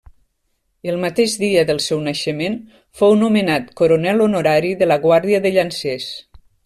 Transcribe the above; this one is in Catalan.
El mateix dia del seu naixement fou nomenat coronel honorari de la guàrdia de llancers.